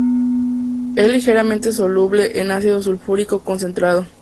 Es ligeramente soluble en ácido sulfúrico concentrado.